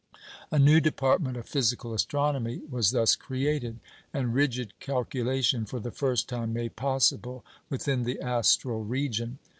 A new department of physical astronomy was thus created, and rigid calculation for the first time made possible within the astral region.